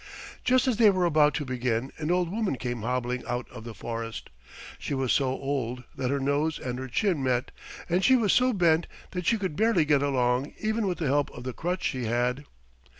Just as they were about to begin an old woman came hobbling out of the forest. She was so old that her nose and her chin met and she was so bent that she could barely get along even with the help of the crutch she had.